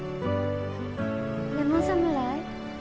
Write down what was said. レモン侍？